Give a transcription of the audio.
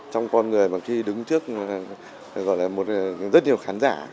trong con người mà khi đứng trước rất nhiều khán giả